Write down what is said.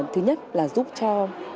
thứ nhất là giúp cho